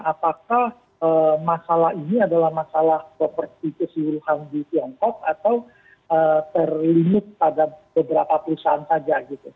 apakah masalah ini adalah masalah properti keseluruhan di tiongkok atau terlinut pada beberapa perusahaan saja gitu